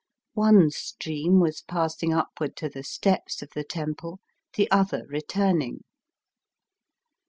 One stream was passing upward to the steps of the temple, the other returning.